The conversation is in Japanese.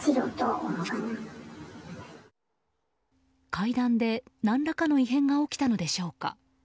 階段で何らかの異変が起きたのでしょうか。